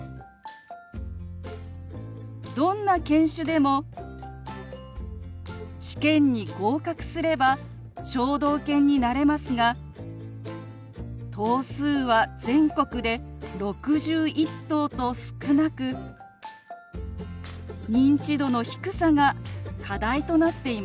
どんな犬種でも試験に合格すれば聴導犬になれますが頭数は全国で６１頭と少なく認知度の低さが課題となっています。